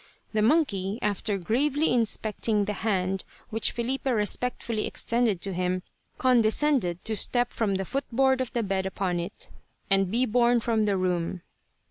The monkey, after gravely inspecting the hand which Filipe respectfully extended to him, condescended to step from the footboard of the bed upon it, and be borne from the room.